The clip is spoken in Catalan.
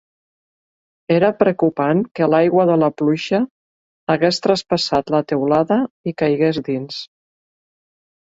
Era preocupant que l'aigua de la pluja hagués traspassat la teulada i caigués dins.